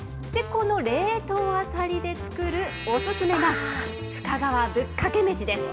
この冷凍アサリで作るお勧めが、深川ぶっかけ飯です。